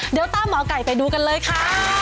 เดี๋ยวตามหมอไก่ไปดูกันเลยค่ะ